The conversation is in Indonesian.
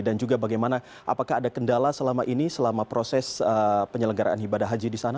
dan juga bagaimana apakah ada kendala selama ini selama proses penyelenggaraan ibadah haji disana